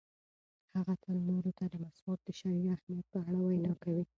هغه تل نورو ته د مسواک د شرعي اهمیت په اړه وینا کوي.